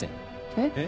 えっ？